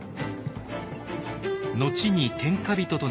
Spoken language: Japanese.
後に天下人となる者同士